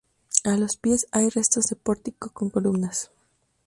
A los pies hay restos de pórtico con columnas.